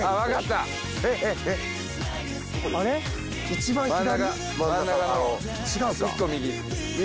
一番左？